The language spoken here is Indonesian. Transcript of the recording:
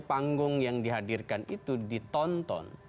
panggung yang dihadirkan itu ditonton